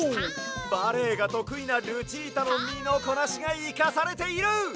バレエがとくいなルチータのみのこなしがいかされている！